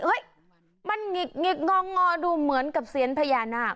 เฮ้ยมันหงิกหงอกหงอกดูเหมือนกับเสียงพญานาค